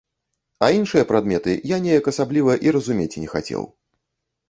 А іншыя прадметы я неяк асабліва і разумець не хацеў.